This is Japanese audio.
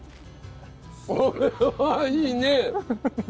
これはいいね！